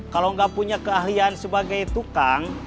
kalau nggak punya keahlian sebagai tukang